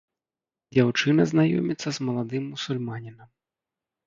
Дзяўчына знаёміцца з маладым мусульманінам.